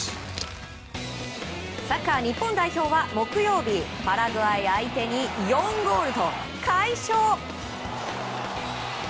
サッカー日本代表は木曜日パラグアイ相手に４ゴールと快勝。